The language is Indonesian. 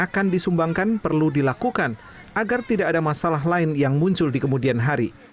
akan disumbangkan perlu dilakukan agar tidak ada masalah lain yang muncul di kemudian hari